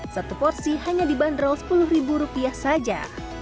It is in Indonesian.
satu porsi hanya dibanderol sepuluh ribu rupiah saja